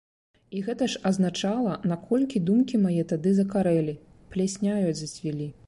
І гэта ж азначала, наколькі думкі мае тады закарэлі, плесняю зацвілі.